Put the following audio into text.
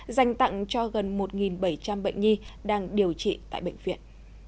dành tặng cho gần một bảy trăm linh bệnh nhi đang điều trị tại bệnh viện